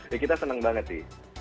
ya kita seneng banget sih